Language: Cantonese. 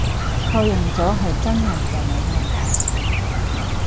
確認咗係真人就冇問題